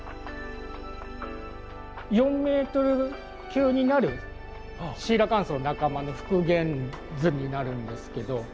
４ｍ級になるシーラカンスの仲間の復元図になるんですけど。